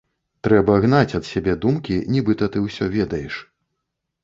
Трэба гнаць ад сябе думкі, нібыта ты ўсё ведаеш.